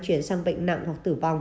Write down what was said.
chuyển sang bệnh nặng hoặc tử vong